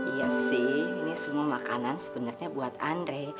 iya sih ini semua makanan sebenarnya buat andre